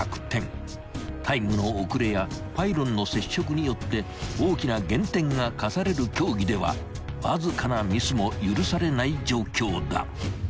［タイムの遅れやパイロンの接触によって大きな減点が科される競技ではわずかなミスも許されない状況だ］